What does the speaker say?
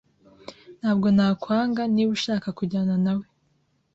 Ntabwo nakwanga niba ushaka kujyana nawe.